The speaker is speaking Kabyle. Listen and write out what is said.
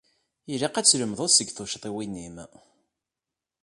Ilaq ad tlemdeḍ seg tuccḍiwin-im.